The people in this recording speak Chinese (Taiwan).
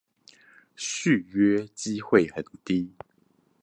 續約機會很低